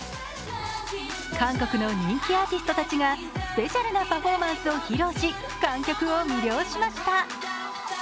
韓国の人気アーティストたちがスペシャルなパフォーマンスを披露し観客を魅了しました。